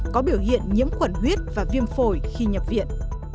có biểu hiện nhiễm khuẩn huyết và viêm phổi khi nhập viện